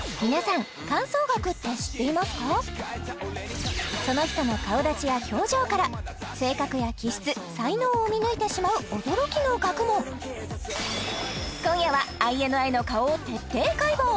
皆さんその人の顔立ちや表情から性格や気質才能を見抜いてしまう驚きの学問今夜はＩＮＩの顔を徹底解剖！